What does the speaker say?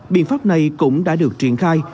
biện pháp này cũng đã được triển khai